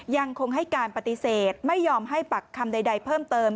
ยังคงให้การปฏิเสธไม่ยอมให้ปักคำใดเพิ่มเติม